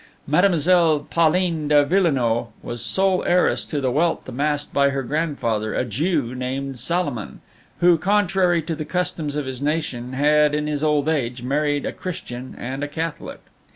Mademoiselle Pauline de Villenoix was sole heiress to the wealth amassed by her grandfather, a Jew named Salomon, who, contrary to the customs of his nation, had, in his old age, married a Christian and a Catholic.